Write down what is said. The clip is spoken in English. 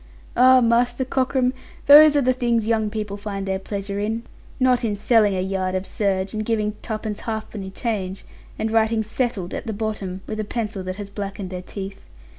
Ah, Master Cockram, those are the things young people find their pleasure in, not in selling a yard of serge, and giving twopence halfpenny change, and writing "settled" at the bottom, with a pencil that has blacked their teeth.